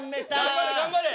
頑張れ頑張れ。